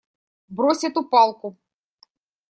Брось эту палку!